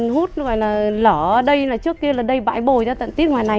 hút nó gọi là lở ở đây là trước kia là đầy bãi bồi ra tận tiết ngoài này